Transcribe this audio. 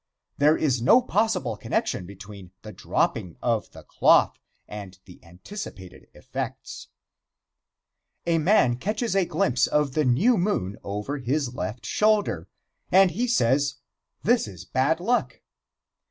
There is no possible connection between the dropping of the cloth and the anticipated effects. A man catches a glimpse of the new moon over his left shoulder, and he says: "This is bad luck."